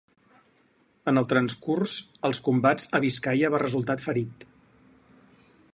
En el transcurs els combats a Biscaia va resultar ferit.